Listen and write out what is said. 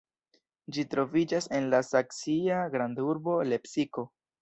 Ĝi troviĝas en la saksia grandurbo Lepsiko.